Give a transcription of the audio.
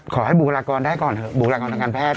ขอให้บูรากรได้ก่อนเถอะบูรากรดังการแพทย์